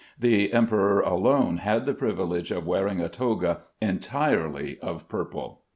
The emperor alone had the privilege of wearing a toga entirely of purple.